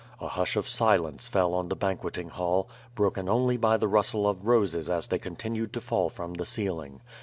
A hush of silence fell on the banqueting hall, broken only by the rustle of roses as they continued to fall from the ceiling.